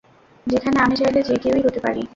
যেখানে, আমি চাইলে যে কেউই হতে পারি।